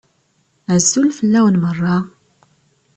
Azul fell-awen meṛṛa!